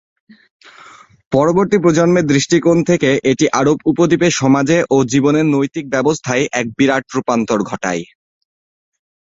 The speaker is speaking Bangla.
পরবর্তী প্রজন্মের দৃষ্টিকোণ থেকে, এটি আরব উপদ্বীপে সমাজে ও জীবনের নৈতিক ব্যবস্থায় এক বিরাট রূপান্তর ঘটায়।